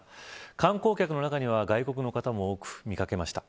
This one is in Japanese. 観光客の中には外国の方も多く見掛けました。